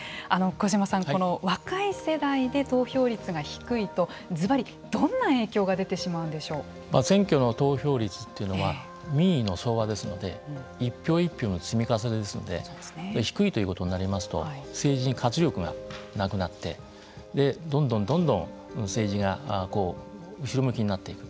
小島さん、若い世代で投票率が低いとずばりどんな影響が選挙の投票率というのは民意の総和ですので一票一票の積み重ねですので低いということになりますと政治に活力がなくなってどんどんどんどん政治が後ろ向きになっていく。